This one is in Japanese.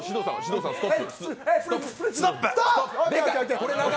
ストップ。